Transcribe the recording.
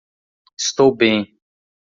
Estou bem.